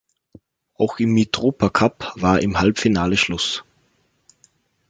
Auch im Mitropacup war im Halbfinale Schluss.